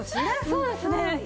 そうですね。